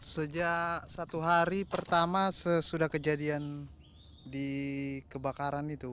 sejak satu hari pertama sesudah kejadian di kebakaran itu